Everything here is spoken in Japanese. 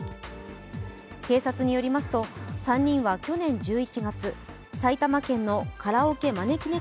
警察によりますと３人は去年１１月、埼玉県のカラオケまねきね